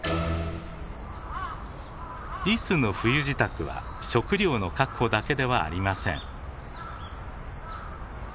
リスの冬支度は食料の確保だけではありません。